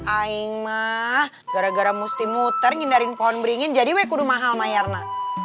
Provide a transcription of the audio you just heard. aing mah gara gara musti muter ngindarin pohon beringin jadi wekudu mahal mah yarna